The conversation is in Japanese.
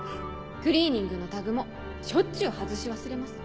クリーニングのタグもしょっちゅう外し忘れます。